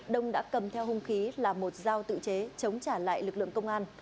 đông đã cầm theo hung khí là một dao tự chế chống trả lại lực lượng công an